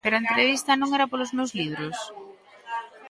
Pero, a entrevista non era polos meus libros?